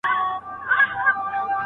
استاد څه وخت د شاګرد مسوده ګوري؟